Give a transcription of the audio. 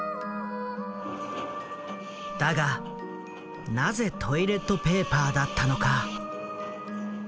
だがなぜトイレットペーパーだったのか？